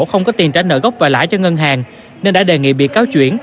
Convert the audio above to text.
không có tiền trả nợ gốc và lãi cho ngân hàng nên đã đề nghị bị cáo chuyển